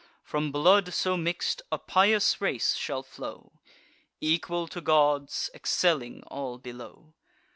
From blood so mix'd, a pious race shall flow, Equal to gods, excelling all below.